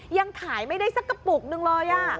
ยังขายไม่ได้สักกระปุกนึงเลย